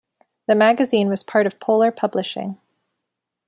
The magazine was part of Polar Publishing.